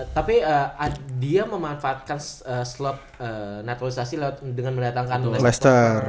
tapi dia memanfaatkan slot naturalisasi dengan mendatangkan lester